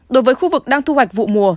đối với khu vực đang thu hoạch vụ mùa